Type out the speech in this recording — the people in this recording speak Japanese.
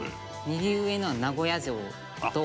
右上のは名古屋城と。